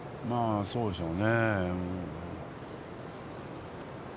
そうでしょうね。